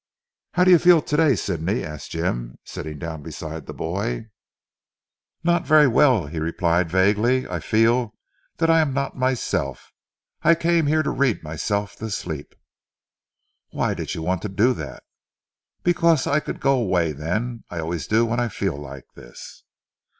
"How do you feel to day Sidney?" asked Jim sitting down beside the boy. "Not very well," he replied vaguely. "I feel that I am not myself. I came here to read myself to sleep." "Why did you want to do that?" "Because I could go away then. I always do when I feel like this."